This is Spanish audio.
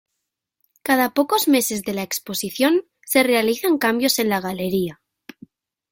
Cada pocos meses de la exposición se realizan cambios en la galería.